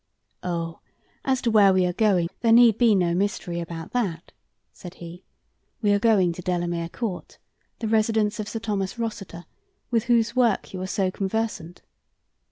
"Oh, as to where we are going, there need be no mystery about that," said he; "we are going to Delamere Court, the residence of Sir Thomas Rossiter, with whose work you are so conversant.